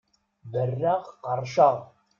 Berraɣ qerrceɣ!